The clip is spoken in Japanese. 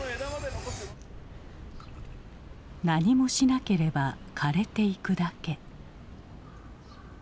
何もしなければ枯れていくだけ。